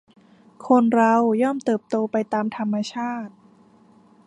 คนเราย่อมเติบโตไปตามธรรมชาติ